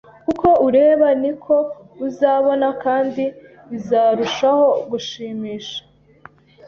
Uko ureba, niko uzabona, kandi bizarushaho gushimisha